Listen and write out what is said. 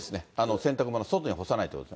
洗濯物、外に干さないということ。